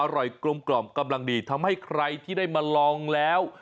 กลมกล่อมกำลังดีทำให้ใครที่ได้มาลองแล้ว